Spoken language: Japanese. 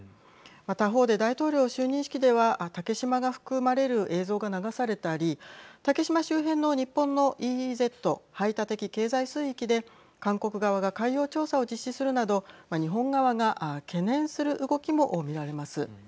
他方で大統領就任式では竹島が含まれる映像が流されたり竹島周辺の日本のＥＥＺ＝排他的経済水域で韓国側が海洋調査を実施するなど日本側が懸念する動きも見られます。